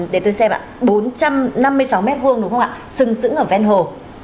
để tôi xem ạ bốn trăm năm mươi sáu m hai đúng không ạ sừng sững ở ven hồ